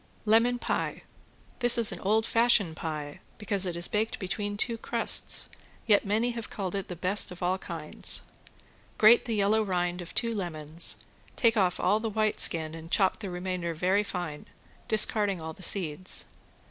~LEMON PIE~ This is an old fashion pie, because it is baked between two crusts, yet many have called it the best of all kinds. Grate the yellow rind of two lemons, take off all the white skin and chop the remainder very fine, discarding all the seeds.